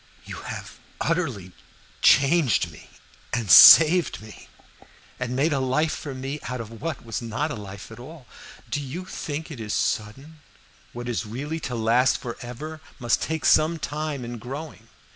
You have utterly changed me, and saved me, and made a life for me out of what was not life at all. Do not think it is sudden what is really to last forever must take some time in growing.